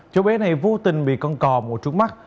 cháu bé này vô tình bị con cò mổ trúng mắt